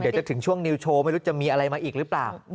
ถึงจะถึงช่วงนิวโชว์ไม่รู้จะมีอะไรมาอีกหรือเปล่า